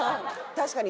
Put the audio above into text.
確かに。